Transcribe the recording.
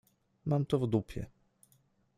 Mam to w dupie.